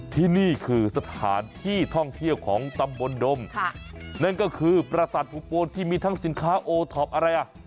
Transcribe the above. ที่นี่คือสถานที่ท่องเที่ยวของตำบลดมค่ะนั่นก็คือประสาทภูโปนที่มีทั้งสินค้าโอท็อปอะไรอ่ะ